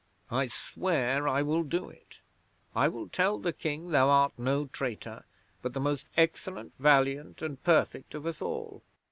"I swear I will do it. I will tell the King thou art no traitor, but the most excellent, valiant, and perfect of us all.